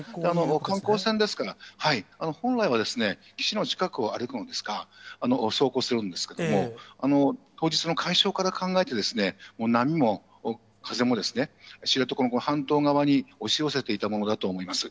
観光船ですから、本来は岸の近くを歩くのですが、走行するんですけれども、当日の海象から考えて、波も風も、知床の半島側に押し寄せていたものだと思います。